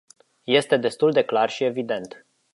Este destul de clar și evident.